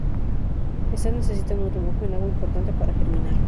Estas necesitan un remojo en agua importante para germinar.